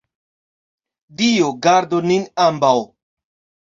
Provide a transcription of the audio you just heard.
Dio gardu nin ambaŭ!